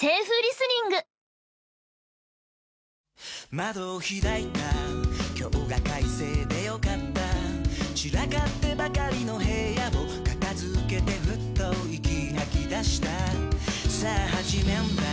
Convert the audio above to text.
窓を開いた今日が快晴で良かった散らかってばかりの部屋を片付けてふっと息吐き出したさあ始めんだ